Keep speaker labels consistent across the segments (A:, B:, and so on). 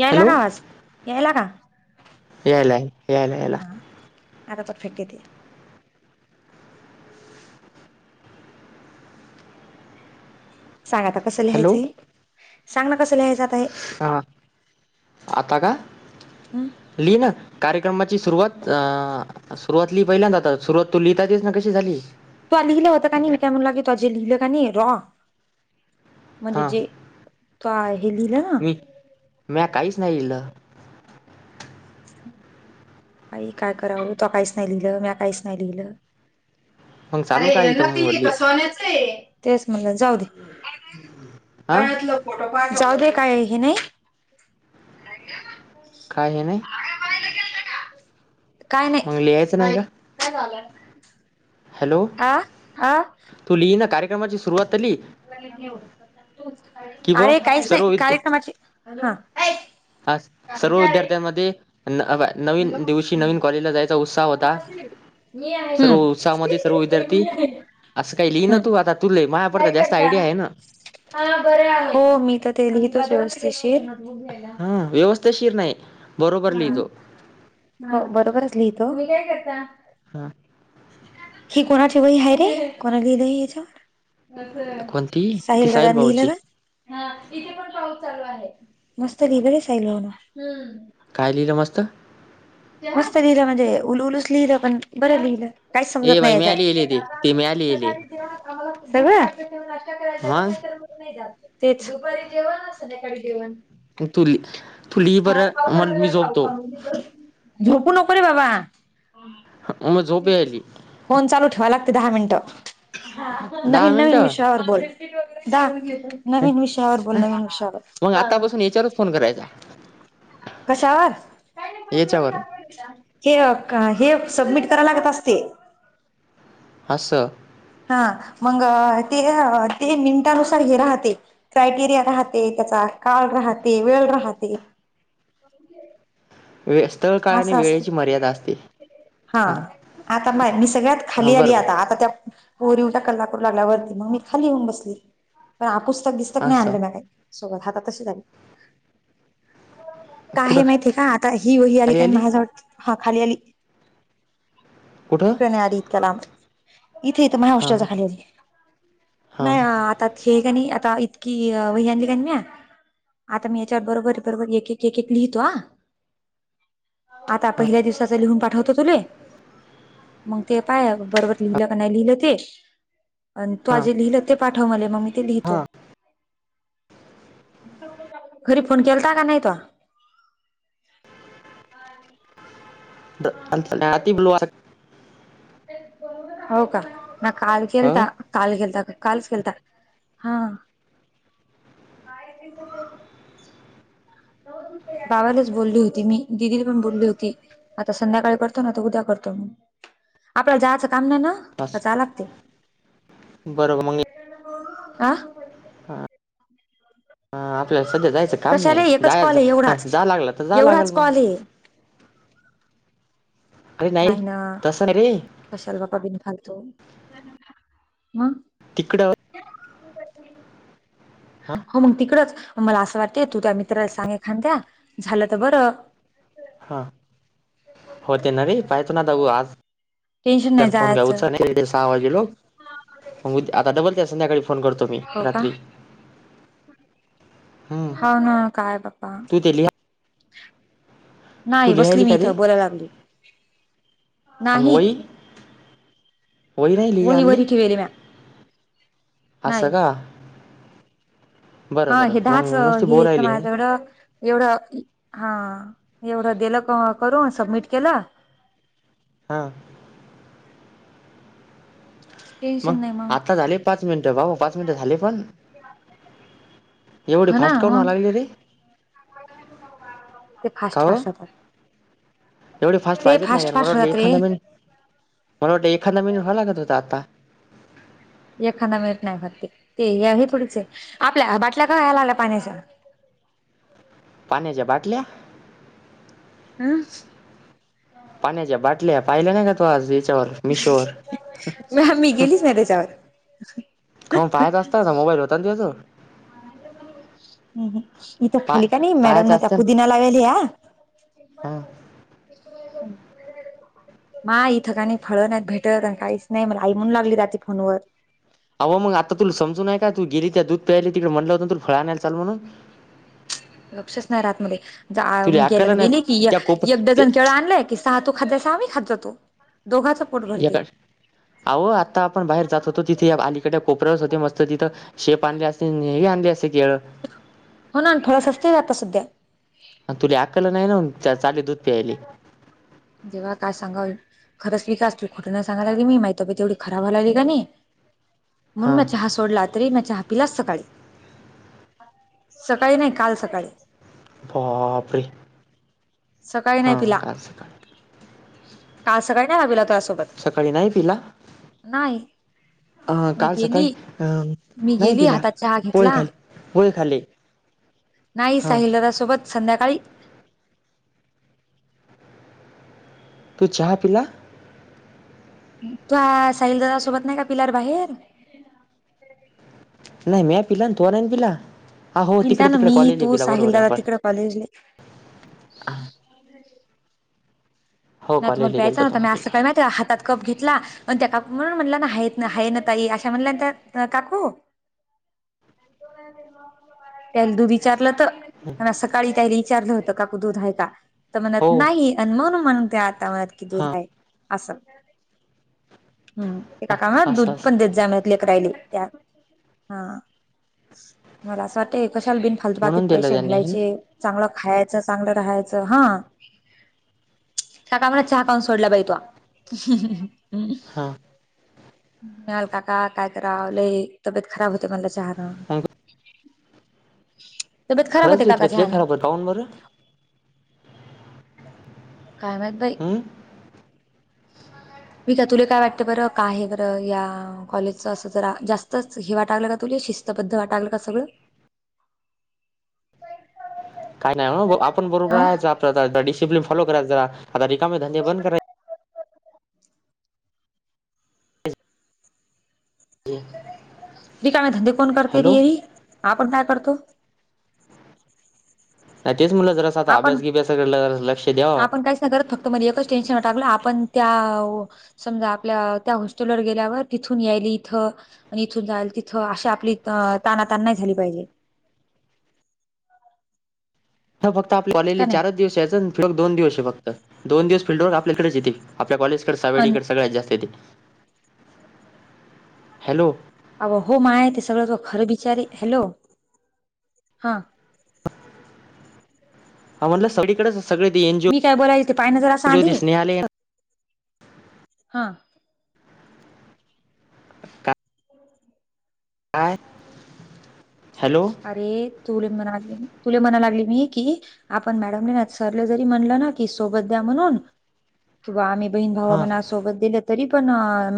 A: यायला
B: हॅलो
A: का आवाज? यायला का?
B: यायलाय यायला यायला
A: हा आता परर्फेक्ट येते. सांगा आता कसं
B: हॅलो
A: लिहायचंय हे, सांग ना कसं लिहायचं हे?
B: सहा आता का
A: हम्म.
B: लिह ना कार्यक्रमाची सुरुवात अह सुरुवात लि पहिल्यांद आता सुरुवात तू लिहीत ना कशी कशी झाली
A: तू लिहिलं होतं का नाही [unintelligible] लिहिलं का नाही रॉ म्हणजे
B: हां
A: जे तुह्या हे लिहिलं ना
B: मी, म्या काहीच नाही लिहिल.
A: बाई काय करावं तू काहीच नाही लिहिलं मी काहीच नाही लिहिलं.
B: मग चालू
A: अरे
B: काय इथं
A: नकली
B: मग
A: हाय का
B: लिहि
A: सोन्याचं आहे. तेच म्हणलं जाऊ दे.
B: हां
A: गळ्यातल फोटो पाठ, जाऊ दे काय हे नाही
B: काय हे नाही
A: [unintelligible] काय नाही,
B: मग लिहायचं
A: नाही
B: का
A: काय झालं?
B: हॅलो!
A: आह, हा.
B: तू ली ना कार्य की ब
A: अरे काहीच
B: सर्व
A: नाही
B: विद
A: कार्यक्रमाची हम्म एय
B: हा सर्व विद्यार्थ्यांमध्ये अह नवीन दिवशी नवीन कॉलेजला जाय चा उत्साह होता
A: हम्म
B: सर्व उत्साहामध्ये सर्व विद्यार्थी असं काही लिहि ना
A: हम्म
B: तू आता तुले माझ्यापडता जास्त आयडिया आहे ना.
A: हा बरे हाय, हो मी तर ते लिहितेच व्यवस्थेशीर
B: हम्म व्यवस्थेशीर नाही बरोबर लिहितो
A: हम्म हो बरोबरच लिहतो. तुम्ही काय करता?
B: हा
A: ही कोणाची वही आहे रे कोण लिहलं हे यांचावर?
B: कोणती ती साहिल
A: साहिलदादानं
B: भाऊची
A: लिहिलं हा इथे पण पाऊस चालू आहे मस्त लिहलय साहिल दादानं
B: काय लिहिलं मस्त
A: मस्त लिहिलं म्हणजे उलु उलूच लिहिलं पण बरं लिहिलं काहीच
B: ए
A: समजत नाही
B: बाई मिळाली येले
A: याच्यात
B: ते ते मिळाली येले
A: आम्हाला सगळं नष्टा करायला
B: मग
A: जातोर [inaudible] नाही जात तेच ती दुपारी जेवण संध्याकाळी जेवण
B: तुली तुलीही बर म मी झोपतो
A: झोपू नको रे बाबा
B: हां मंमे झोपे आली
A: फोन चालू ठेवाय लागते दहा मिनिटं
B: दहा
A: नवीन नवीन
B: मिनिटं
A: विषयावर बोल दाहा नवीन विषयावर बोल न नवीन विषयावर
B: मग आतापासून याच्यावरच फोन करायचा
A: कशावर
B: याच्यावर
A: हे काय हे सबमिट कराय लागत असते
B: अस
A: हा मग ते ते मिनटानुसार हे राहते काटिर्या राहते त्याचा काळ राहते वेळ राहते.
B: व्यस्त काळ आणि
A: असं असते
B: वेळेची मर्यादा असते.
A: हा
B: हां
A: आता माय मी सगळ्यात
B: हां
A: खाली आली
B: बरोबर
A: आता आता त्या पोरी उलट्या कल्लाकरु लागल्या वरती मग मी खाली येऊन बसली पण आ पुस्तक गिस्तक
B: हां
A: नाही
B: असं
A: आणलं म्या काही सोबत आता तशी आली का
B: कुठं
A: आहे माहिती आहे का आता ही वही आली काय माझा हा खाली आली
B: कुठं
A: तिकडे नाही आली इतक्यालांब इथे इथ माझ्या
B: हां
A: हॉस्टेलच्या खाली आली
B: हां
A: नाही आता त्यात हे क नये आता इतकी वही आणलेल्याण म्या आता मी याच्यावर बरोबर बरोबर एक एक एक एक लिहितो आ आता पहिल्या दिवसाच लिहून पाठवतो तुले मग ते पाय बरोबर लिहिलं का नाही लिहिलं ते अ तू आज
B: हां
A: जे लिहिलं ते पाठव मले मग मी ते लिहितो. घरी फोन केलता का नाही तो अ [inaudible]
B: बल [unintelligible]
A: हो का म्या काल
B: असं
A: केलता काल केलता कालच केलता हा काय ते [inaudible] बाबालाच बोलली होती मी दिदीला पण बोलली होती. आता संध्याकाळी करतो नाहीतर उद्या करतो मी आपल्याला जायचं काम नाही ना जा लागते
B: बरोबर मग
A: आ
B: ह आपल्याला सध्या जायचं काम
A: कशाला
B: नाही
A: एकच कॉल
B: जायच
A: आहे एवढाच
B: जा लागला तर जा लागल
A: एवढाच
B: मग
A: कॉल आहे
B: अरे नाही
A: नाहीना
B: तसं नाही रे
A: कशाला बापा बिनफालतू मग
B: तिकडं
A: [unintelligible]
B: हा
A: हो मग तिकडच मला असं वाटतेय तू त्या मित्राला सांग एखांद्या झालं तर बरं
B: हा होते ना रे पाहतो ना दाऊ आज
A: टेन्शन नाही
B: त्यां फोन
A: जायचं
B: घ्यावूचा नाही. सहा वाजेलो मग उ आता डबलते संध्याकाळी फोन करतो मी रात्री हम्म
A: हा हा, काय बप्पा?
B: तू ते लिहा तू
A: नाही बसली मी इथं बोलायला लागली.
B: अन
A: नाही
B: वही? नाही लिही
A: वही
B: आणली
A: वरी ठेवली म्या,
B: असं
A: नाही
B: का बरं
A: हा
B: बरं
A: हे
B: मग
A: दहाच अ
B: नुसती
A: हे येत ना
B: बोलायली आहे
A: माझ्याकडं. एवढं, हा एवढ दिल करून सबमिट केल.
B: हा मग
A: टेन्शन नाही
B: आता झाले पाच मिनटं, बाबो पाच मिनिटं झाले पण? एवढे
A: हो ना
B: फास्ट काहून व्हाय
A: मग
B: लागले रे?
A: ते फास्ट फास्ट होतायत.
B: एवढे फास्ट पाहिजेत ना यार, मला वाटल एखांदा महिना, मला वाटलं एखांदा महिना व्हावं लागत होत आता.
A: एखांदा मिळत नाही फक्त, ते हे थोडीच आहे, आपल्या बाटल्या का व्हायला लागल्या पाण्याच्या?
B: पाण्याच्या बाटल्या?
A: [inaudible]
B: पाण्याच्या बाटल्या पाहिल्या नाही का तू? हो आज याच्यावर मिशोवर
A: ह मी गेलीच नाही त्याच्यावर
B: खाऊन पाहायच असत ना, मोबाईल होता ना तुझ्या जवळ.
A: हम्म ह, इथ
B: पाय
A: खाली काय नाही मॅडम
B: पाहायचा
A: न त्या
B: असता ना
A: पुदीना लावेले हा.
B: हां
A: [unintelligible] मा इथं क नाय फळ नाहीत भेटत अन काहीच नाही मला आई म्हणू लागली रात्री फोनवर.
B: आव मंग आता तुला समजू नय का, तू गेली त्या दूध प्यायले तिकड म्हटलं होत ना तूला फळ आणय चल म्हणून.
A: लक्षच नाही रहात मले, जा मी
B: तुला
A: गेला
B: अक्कल
A: तर
B: नाही
A: गेली की एक,
B: त्या कोप
A: एक
B: ते
A: डझन केळं आणलय की तू खात जसा आम्ही खात जातो, दोघाच प
B: यका, आहो आता आपण बाहेर जात होतो तिथे अलीकड कोपऱ्यावरच होते मस्त तिथं शेप आणली असती नी, हे ही आणले असते केळ.
A: हो ना अन फळ सस्ते रहाता सध्या.
B: अन तुले आकलं नाही ना, चाले दूध प्यायले.
A: देवा, काय सांगाव, खरंच विक असतील खुठं नाय सांगाय लागली मी माझी तब्बेत एवढी खराब व्हाय लागली क नयी म्हणू
B: हां
A: म्या चहा सोडला तरी म्या चहा पिलाच सकाळी, सकाळी नाय काल सकाळी.
B: बापरे
A: सकाळी नाही
B: हां
A: पिला,
B: काल सकाळी
A: काल सकाळी नाही का पिला तूझ्या सोबत?
B: सकाळी नाही पिला?
A: नाही.
B: अं
A: मी
B: काल सकाळी
A: गेली
B: अं
A: मी
B: नाही
A: गेली
B: पिला,
A: हातात चहा
B: पोहे
A: घेतला
B: खाले पोहे खाल्ले.
A: नाही,
B: हां
A: साहिल दादासोबत संध्याकाळी.
B: तू चहा पीला?
A: तू आ साहिलदादा सोबत नाही का पिला र बाहेर?
B: नाही, म्या पिला अन तुवा नाही पिला? हा हो
A: पिलता
B: तिकडे
A: ना
B: तिकडे
A: मी, तू,
B: कॉलेजला पिला बरोबर आहे
A: साहिलदादा
B: आपण
A: तिकड कॉलेजले.
B: हो
A: नाही तुम्हाला
B: कॉलेजला
A: प्यायच
B: गेलतो
A: न्हता,
B: तेव्हा
A: मी असं
B: पिला
A: काय माहितीय हातात कप घेतला अन त्या काकू म्हणू म्हणला ना आहेत ना आहे न ताई अशा म्हणल्या न त्या काकू त्यान तू विचारलं तर. म्या सकाळी त्यायले विचारलं होत काकु दूध हाय का?, तर म्हणत
B: हो
A: नाही अन म्हणू म्ह त्या आता म्हणत कि दूध आहे असं, हम्म ते काका हा दूध
B: असं असं
A: पण देत जाणत करालीय त्या हा, मला असं वाटतय कशाला दिली फालतू बाकीत
B: म्हणून दिलं
A: पैसे
B: त्यांनी हे
A: घालायचे, चांगलं खायचं चांगलं राहायचं हां [unintelligible]
B: हां
A: मिळाल, काका काय कराल लई तब्येत खराब होते म्हटलं चहान
B: मग
A: [inaudible]
B: खरंच
A: होते
B: तुझी
A: काका
B: तब्येत लई
A: चहानं
B: खराब काहून बरं.
A: काय माहित बाई.
B: हं
A: मी का तुले काय वाटतं बरं, काय आहे बरं या. कॉलेजच असं जरा जास्तच हे वाटालय का तुले शिस्तबद्ध वाटालं का सगळं.
B: काय नाही वो, आपण बरोबर
A: हा
B: रायचं आपण डिसिप्लिन फॉलो करायचा जरा, आता रिकामे धंदे बंद करायचे.
A: रिकामं धंदे कोण करते
B: हॅलो
A: री येरी, आपण काय करतो
B: नाही तेच म्हटलं जरा आता
A: आपण
B: अभ्यास गिभ्यासकडे लक्ष द्याव.
A: आपण काहीच करत फक्त मध्ये एकच टेन्शन टाकलं आपण त्या समजा आपल्या त्या हॉस्टेलवर गेल्यावर तिथून यायली इथं आणि इथून जायल तिथं अशी आपली ताना, तान नाही झाली पाहिजे.
B: ह फक्त आपली कॉलेजले
A: का नाही
B: चारच दिवस यायाचंन दोन दिवस हे फक्त, दोन दिवस फिल्ड वर आपल्याकडेच येते. आपल्या कॉलेज सावेडी
A: अन
B: सगळ्यात जास्त हाय त्याची. हॅलो
A: अ हो माय ते सगळं तु खरं बिचारी, हॅलो. हा
B: हा म्हटलं सगळीकडच सगळ तेन
A: मी काय बोलाले ते पाहणा जरा आधी. हा
B: [unintelligible] काय? हॅलो
A: अरे तुले म्हणाली, तुले म्हणाय लागले मी की आपण मॅडमने सरले जरी म्हणलं ना, की सोबत द्या म्हणून किंवा आम्ही बहीन भावा
B: हां
A: मण आस सोबत दिलं तरी पण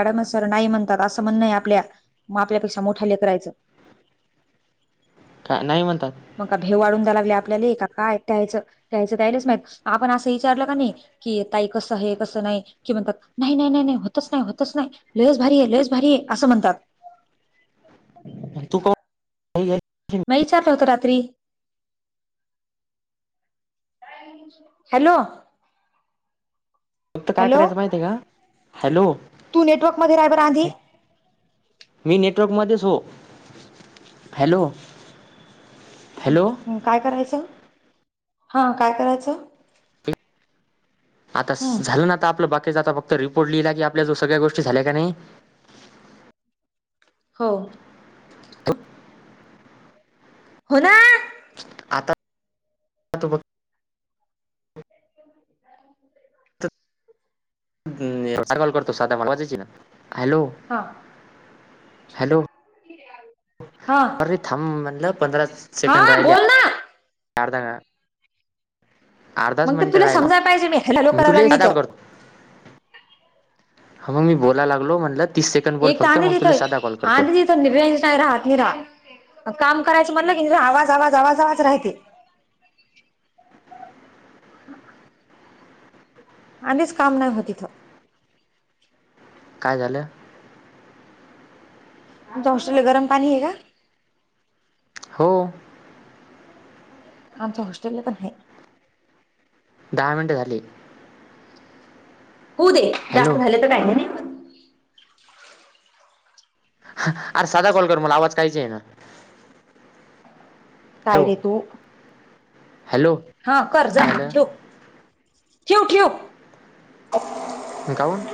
A: मॅडम सर नाही म्हणतात असं म्हणणं आपल्या म आपल्यापेक्षा मोठाले करायचं.
B: का? नाही म्हणतात
A: मग का भेव वाढून द्याय लागले आपल्याली का काय त्याचं, त्याचं त्यायले माहित आपण असं विचारलं कणी कि ताई कसं आहे कसं नाही की म्हणतात, नाही, नाही, नाही, नाही होतच नाही, होतच नाही लयच भारीय, लयच भारीय असं म्हणतात.
B: [unintelligible] नाही गेली.
A: माईचात होत रात्री हॅलो.
B: फक्त काय
A: हॅलो
B: करायचं माहिती आहे का? हॅलो.
A: तू नेटवर्क मध्ये रहा बर आंधी
B: मी नेटवर्कमध्येच हो, हॅलो हॅलो.
A: काय करायचं, हा काय करायचं?
B: आता
A: हम्म
B: झालं ना आता आपलं बाकीच आता फक्त रिपोर्ट लिहिला की आपल्या जो सगळ्या गोष्टी झाल्या का नाही?
A: हो.
B: [unintelligible]
A: हो नां
B: आता [unintelligible]
A: [inaudible]
B: एवढा कॉल करतो साधा [unintelligible] हॅलो.
A: हां.
B: हॅलो.
A: हा
B: अरे थांब म्हणटल पंधरा
A: हा
B: सेकंद राहिले.
A: बोल ना
B: अर्धा खा अर्धाच
A: मग तर
B: मिनिटं
A: तुला
B: राहिला.
A: समजायला पाहिजे मी हॅलो करायला
B: तुले
A: लागली
B: साधा कॉल
A: तर
B: करतो. हो मग मी बोलाय लागलो म्हणल तीस सेकंद बोल
A: एक तर
B: फक्त
A: आधी
B: मग तुला साधा कॉल
A: तिथं
B: करतो.
A: आधी रेंज नाही राहत निरा काम करायच म्हणल की आवाज आवाज आवाज आवाज राहते. आधीच काम नाही होत इथ.
B: काय झाल?
A: तुमच्या हस्टेलला गरम पाणी आहे का?
B: हो
A: आमच्या हॉस्टेला काण नाही.
B: दहा मिनिट झाली.
A: होऊ दे जास्त
B: हॅलो
A: झाले तर काय नाही.
B: अरे साधा कॉल कर मला आवाज काहीच येईना.
A: काय
B: हॅलो
A: रे तू.
B: हॅलो
A: हा कर
B: काय
A: जा
B: झालं
A: ठिव ठिव ठिव.
B: काऊन